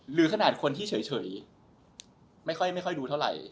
หรือขนาดคนที่เฉยไม่ค่อยดูเท่าไหร่